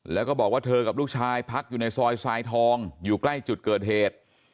แล้วก็บอกว่าเธอกับลูกชายพักอยู่ในซอยทรายทองอยู่ใกล้จุดเกิดเหตุ